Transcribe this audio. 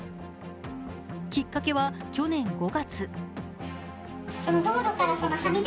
きっかけは去年５月。